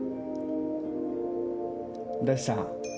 どうした？